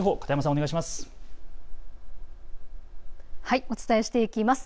お伝えしていきます。